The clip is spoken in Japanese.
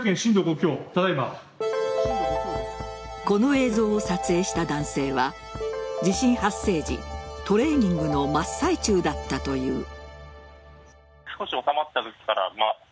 この映像を撮影した男性は地震発生時トレーニングの真っ最中だったという。